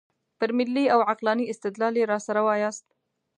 پر ملي او عقلاني استدلال یې راسره وایاست.